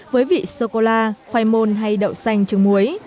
với vị sô cô la khoai môn hay đậu xanh trứng muối